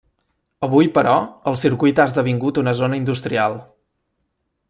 Avui, però, el circuit ha esdevingut una zona industrial.